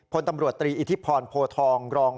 พลตำรวจตรีอิทธิพรโพทองรอง